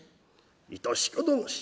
致し方なし。